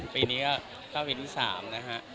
ปีนี้ก็๙ปีที่๓นะฮะ